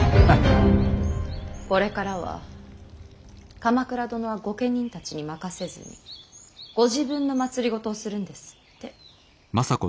これからは鎌倉殿は御家人たちに任せずにご自分の政をするんですって。